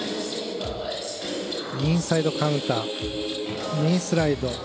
インサイドカウンターインスライド。